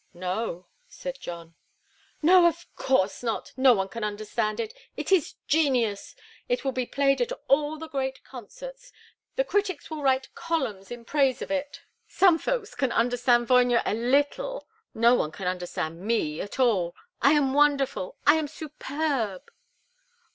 "No," said John. "No! Of course not! No one can understand it. It is genius! It will be played at all the great concerts. The critics will write columns in praise of it. Some folks can understand Vogner a little. No one can understand me at all! I am wonderful! I am superb!"